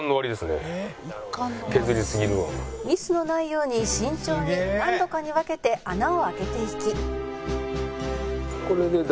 「ミスのないように慎重に何度かに分けて穴を開けていき」